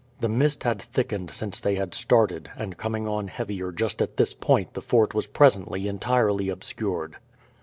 The mist had thickened since they had started, and coming on heavier just at this point the fort was presently entirely obscured.